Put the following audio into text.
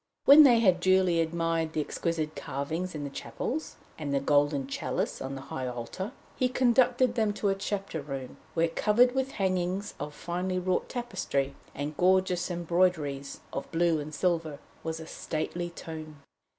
When they had duly admired the exquisite carvings in the chapels, and the golden chalice on the High Altar, he conducted them to a chapter room, where, covered with hangings of finely wrought tapestry, and gorgeous embroideries of blue and silver, was a stately tomb.